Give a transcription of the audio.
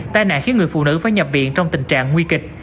tai nạn khiến người phụ nữ phải nhập viện trong tình trạng nguy kịch